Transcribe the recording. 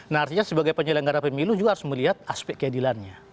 nah artinya sebagai penyelenggara pemilu juga harus melihat aspek keadilannya